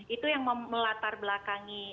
itu yang melatar belakangi